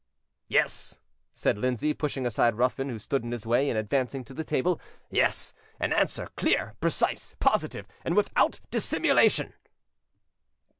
"Yes," said Lindsay, pushing aside Ruthven, who stood in his way, and advancing to the table,—"yes, an answer, clear, precise, positive, and without dissimulation."